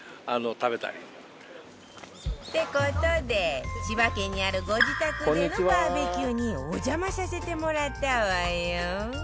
って事で千葉県にあるご自宅でのバーベキューにお邪魔させてもらったわよ